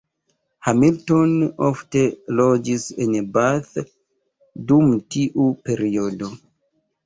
Hamilton ofte loĝis en Bath dum tiu periodo.